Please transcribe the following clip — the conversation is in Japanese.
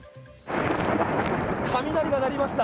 雷が鳴りました。